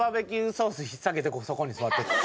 ソースひっさげてそこに座ってるの？